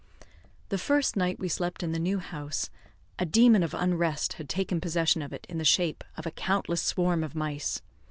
The first night we slept in the new house, a demon of unrest had taken possession of it in the shape of a countless swarm of mice.